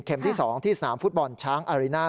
ที่๒ที่สนามฟุตบอลช้างอาริน่า